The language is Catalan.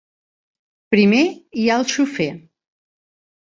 Primer hi ha el xofer.